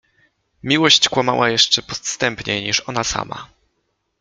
Miłość kłamała jeszcze podstępniej niż ona sama.